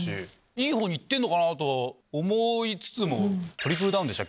いい方にいってるのかなと思いつつも。